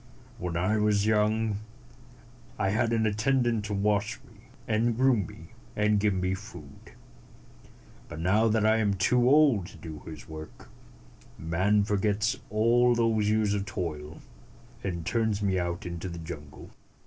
When I was young, I 137 had an attendant to wash me, and groom me, and give me my food. But now that I am too old to do his work, man forgets all those years of toil, and turns me out into the jungle."